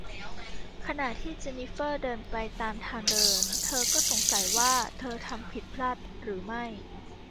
ขณะที่เจนนิเฟอร์เดินไปตามทางเดิน เธอก็สงสัยว่าเธอทำผิดพลาดหรือไม่